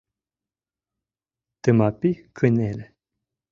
Тымапи кынеле.